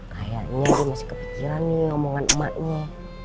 kayaknya dia masih kepikiran nih omongan emaknya